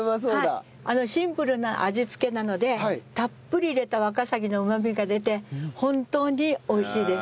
シンプルな味付けなのでたっぷり入れたワカサギのうまみが出て本当においしいです。